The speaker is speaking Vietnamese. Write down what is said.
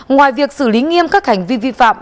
ngoài việc xử lý nghiêm các hành vi vi phạm